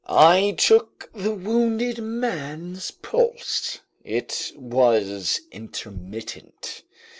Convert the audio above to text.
I took the wounded man's pulse. It was intermittent.